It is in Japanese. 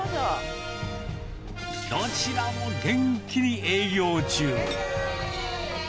どちらも元気に営業中。